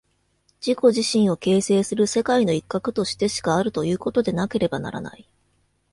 自己自身を形成する世界の一角としてしかあるということでなければならない。